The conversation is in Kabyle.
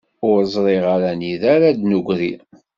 Ur ẓriɣ ara anida ara d-negri.